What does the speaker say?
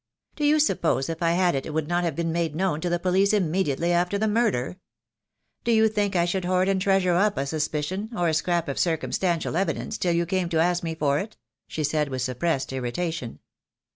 "Do you suppose if I had it would not have been made known to the police immediately after the murder? Do you think I should hoard and treasure up a suspicion, or a scrap of circumstantial evidence till you came to ask me for it?" she said, with suppressed irritation.